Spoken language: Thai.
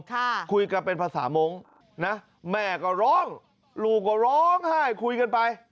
ค่ะคุยกันเป็นภาษามงค์นะแม่ก็ร้องลูกก็ร้องไห้คุยกันไป